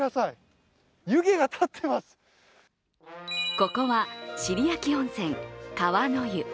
ここは尻焼温泉・川の湯。